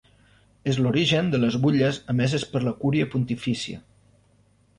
És l'origen de les butlles emeses per la Cúria Pontifícia.